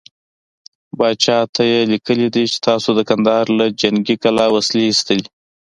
پاچا ته يې ليکلي دي چې تاسو د کندهار له جنګې کلا وسلې ايستلې.